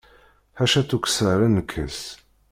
Ḥaca tukksa ara nekkes.